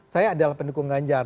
saya adalah pendukung ganjar